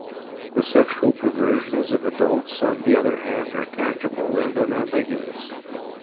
The sexual perversions of adults, on the other hand, are tangible and unambiguous.